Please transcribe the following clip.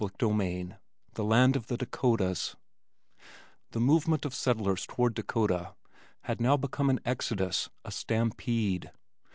CHAPTER XX The Land of the Dakotas The movement of settlers toward Dakota had now become an exodus, a stampede.